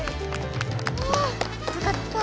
はあよかった。